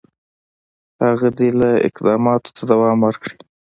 هغه دي اقداماتو ته دوام ورکړي.